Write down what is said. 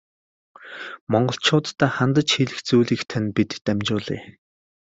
Монголчууддаа хандаж хэлэх зүйлийг тань бид дамжуулъя.